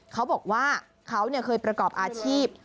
เขาบอกว่าเขาเคยประกอบอาชีพ